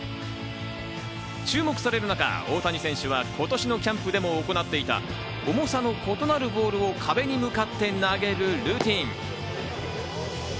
注目される中、大谷選手は今年のキャンプでも行っていた重さの異なるボールを壁に向かって投げるルーティン。